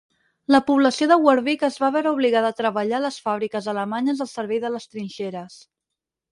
La població de Wervik es va veure obligada a treballar a les fàbriques alemanyes al servei de les trinxeres.